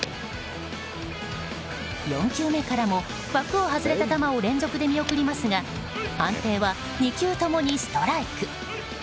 ４球目からも枠を外れた球を連続で見送りますが判定は２球共にストライク。